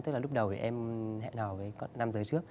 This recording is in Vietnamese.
tức là lúc đầu em hẹn hò với con nam giới trước